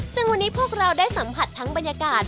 ซึ่งวันนี้พวกเราได้สัมผัสทั้งบรรยากาศ